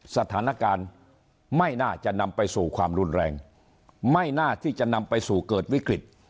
สถานการณ์ไม่น่าจะนำไปสู่ความรุนแรงไม่น่าที่จะนำไปสู่เกิดวิกฤต